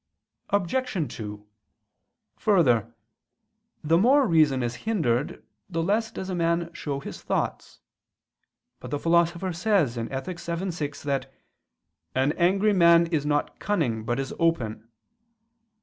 Obj. 2: Further, the more the reason is hindered, the less does a man show his thoughts. But the Philosopher says (Ethic. vii, 6) that "an angry man is not cunning but is open."